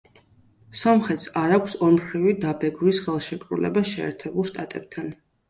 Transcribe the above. სომხეთს არ აქვს ორმხრივი დაბეგვრის ხელშეკრულება შეერთებულ შტატებთან.